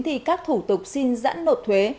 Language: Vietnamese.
thì các thủ tục xin giãn nộp thuế